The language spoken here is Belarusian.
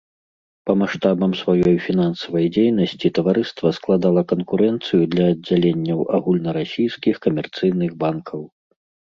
Па маштабам сваёй фінансавай дзейнасці таварыства складала канкурэнцыю для аддзяленняў агульнарасійскіх камерцыйных банкаў.